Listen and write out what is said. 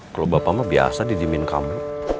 kalo bapak mah biasa didiemin kamu